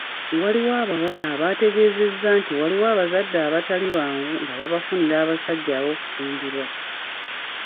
Waliwo abawala abaategeezezza nti waliwo abazadde abatali bangu nga babafunira abasajja ab’okufumbirwa.